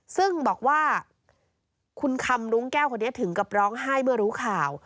ซึ่งบอกว่าคุณคำรุ้งแก้วคนนี้ถึงกับร้องไห้เมื่อรู้ข่าว